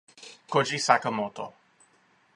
Koji Sakamoto